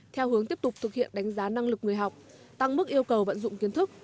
theo hướng tiếp tục thực hiện đánh giá năng lực người học tăng mức yêu cầu vận dụng kiến thức